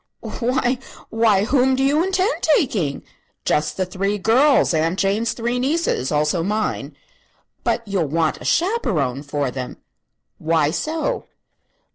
"Why why whom do you intend taking?" "Just the three girls Aunt Jane's three nieces. Also mine." "But you'll want a chaperone for them." "Why so?"